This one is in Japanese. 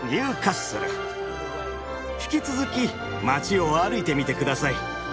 引き続き街を歩いてみてください。